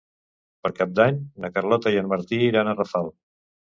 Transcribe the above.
Per Cap d'Any na Carlota i en Martí iran a Rafal.